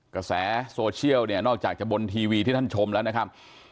กระแสโซเชียลเนี่ยนอกจากจะบนทีวีที่ท่านชมแล้วนะครับ